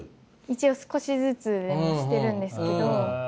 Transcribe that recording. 一応少しずつしてるんですけど。